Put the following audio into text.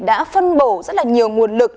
đã phân bổ rất là nhiều nguồn lực